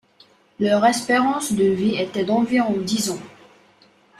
Leur espérance de vie était d'environ dix ans.